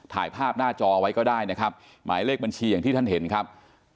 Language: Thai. ถ่ายภาพหน้าจอไว้ก็ได้นะครับหมายเลขบัญชีอย่างที่ท่านเห็นครับ